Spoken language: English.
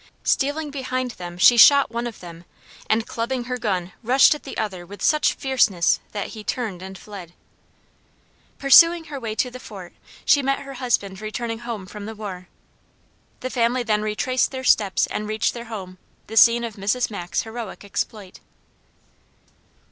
Stealing behind them she shot one of them and clubbing her gun rushed at the other with such fierceness that he turned and fled. Pursuing her way to the fort she met her husband returning home from the war. The family then retraced their steps and reached their home, the scene of Mrs. Mack's heroic exploit.